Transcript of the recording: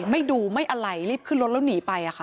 ไม่ดูไม่อะไรรีบขึ้นรถแล้วหนีไปค่ะ